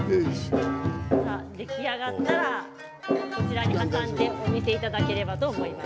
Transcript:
出来上がったらこちらに挟んでお見せいただければと思います。